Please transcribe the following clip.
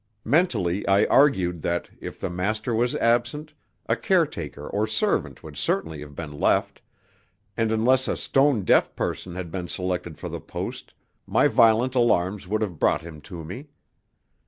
Mentally I argued that, if the master was absent, a caretaker or servant would certainly have been left, and unless a stone deaf person had been selected for the post my violent alarms would have brought him to me.